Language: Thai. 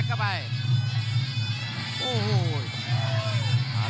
กรรมการเตือนทั้งคู่ครับ๖๖กิโลกรัม